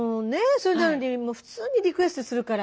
それなのに普通にリクエストするから。